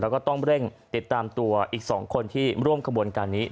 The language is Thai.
แล้วก็ต้องเร่งติดตามตัวอีก๒คนที่ร่วมขบวนการนี้